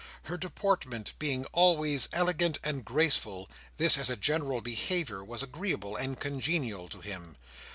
Her deportment being always elegant and graceful, this as a general behaviour was agreeable and congenial to him.